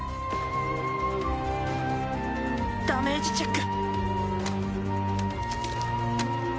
ダメージチェック。